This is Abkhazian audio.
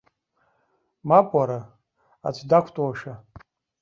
Мап уара, аӡә дақәтәоушәа?